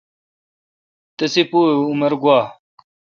تسی پو اؘ عمر گوا۔